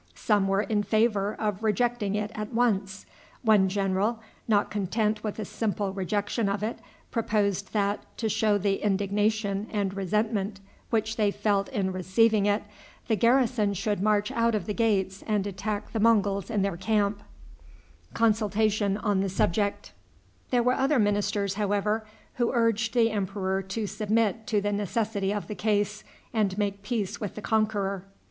Some were in favor of rejecting it at once. One general, not content with a simple rejection of it, proposed that, to show the indignation and resentment which they felt in receiving it, the garrison should march out of the gates and attack the Monguls in their camp. There were other ministers, however, who urged the emperor to submit to the necessity of the case, and make peace with the conqueror.